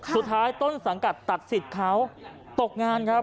สุดท้ายต้นสังกัดตักศิษย์เขาตกงานครับ